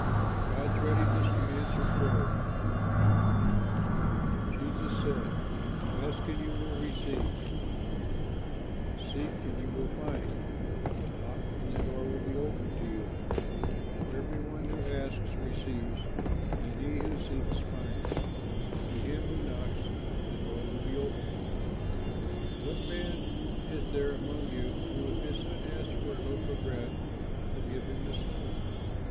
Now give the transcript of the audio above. '" GOD'S READINESS TO ANSWER PRAYER Jesus said: "Ask and you will receive, seek and you will find, knock and the door will be opened to you; for every one who asks receives, and he who seeks finds, and to him who knocks the door will be opened. "What man is there among you, who if his son asks him for a loaf of bread, will give him a stone?